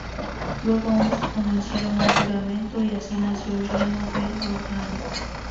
Luego ambos pronunciaron un juramento y así nació el reino de Rohan.